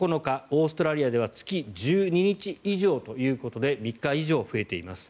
オーストラリアでは月１２日以上ということで３日以上増えています。